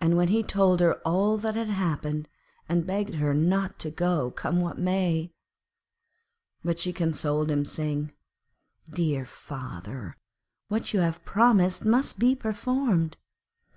And he told her all that had happened, and begged her not to go, come what might. But she consoled him, saying, 'Dear father, what you have promised must be performed.